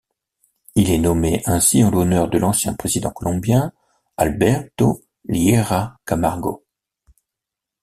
Il est nommé ainsi en l’honneur de l’ancien président colombien Alberto Lleras Camargo.